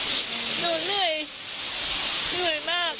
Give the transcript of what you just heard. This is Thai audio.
เหนื่อยเหนื่อยมาก